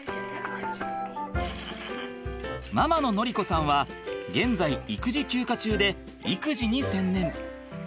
ママの典子さんは現在育児休暇中で育児に専念。